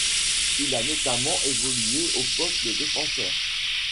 Il a notamment évolué au poste de défenseur.